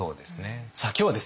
さあ今日はですね